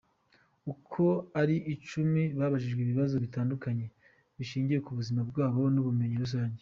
Uko ari icumi babajijwe ibibazo bitandukanye bishingiye ku buzima bwabo, n’ubumenyi rusange.